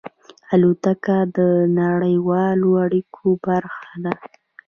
الوتکه د نړیوالو اړیکو برخه ده.